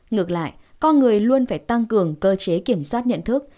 ngược lại con người luôn phải tăng cường cơ chế kiểm soát nhận thức